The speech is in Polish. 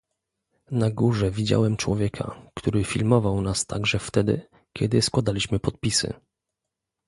Na górze widziałem człowieka, który filmował nas także wtedy, kiedy składaliśmy podpisy